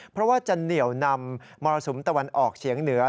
เพราะว่าจะเหนียวนำมรสุมตะวันออกเฉียงเหนือ